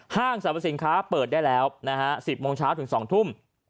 ห้างสรรพสินค้าเปิดได้แล้วนะฮะ๑๐โมงเช้าถึง๒ทุ่ม